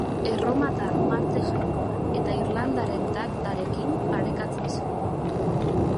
Erromatar Marte jainkoa eta irlandarren Dagdarekin parekatzen zen.